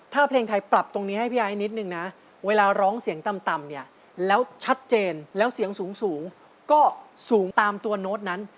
ถ้าเพลงไทยปรับตรงนี้ให้พี่ไอ้นิดนึงนะเวลาร้องเสียงต่ำเนี่ยแล้วชัดเจนแล้วเสียงสูงก็สูงตามตัวโน้ตนั้น